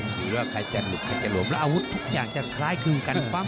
ถือว่าใครจะหลุดใครจะหลวม